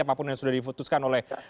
apapun yang sudah diputuskan oleh